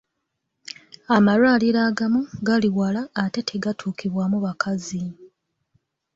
Amalwaliro agamu gali wala ate tegatuukibwamu bakazi.